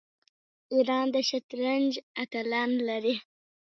ایران د شطرنج اتلان لري.